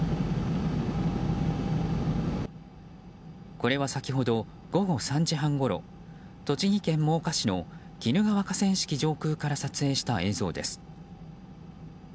これは先ほど午後３時半ごろ栃木県真岡市の鬼怒川河川敷上空から撮影した映像です。